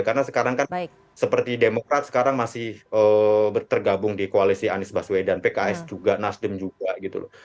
karena sekarang kan seperti demokrat sekarang masih tergabung di koalisi anies baswedan pks juga nasdem juga gitu loh